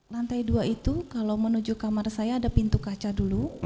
lantai dua itu kalau menuju kamar saya ada pintu kaca dulu